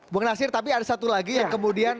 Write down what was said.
bu bang nasir tapi ada satu lagi ya kemudian